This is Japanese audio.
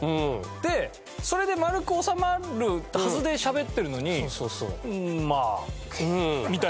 でそれで丸く収まるはずで喋ってるのに「うーんまあうーん」みたいな。